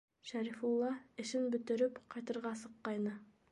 Шәрифулла, эшен бөтөрөп, ҡайтырға сыҡҡайны.